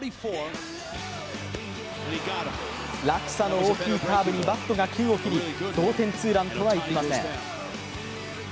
落差の大きいカーブにバットが空を切り、同点ツーランとはいきません。